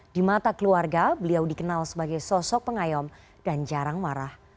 di mata keluarga beliau dikenal sebagai sosok pengayom dan jarang marah